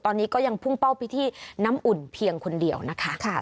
ตอนนี้ก็ยังพุ่งเป้าไปที่น้ำอุ่นเพียงคนเดียวนะคะ